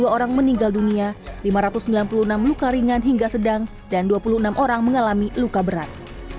tiga orang meninggal dunia lima ratus sembilan puluh enam luka ringan hingga sedang dan dua puluh enam orang mengalami luka berat